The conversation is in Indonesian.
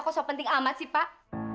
kok so penting amat sih pak